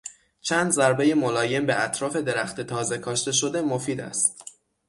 چند ضربهی ملایم به اطراف درخت تازه کاشته شده مفید است.